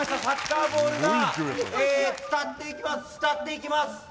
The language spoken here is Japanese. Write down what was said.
サッカーボールがえー伝っていきます